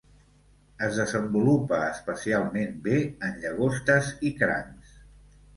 Es desenvolupa especialment bé en llagostes i crancs.